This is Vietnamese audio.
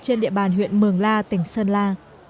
trên địa bàn huyện mường la tỉnh sơn la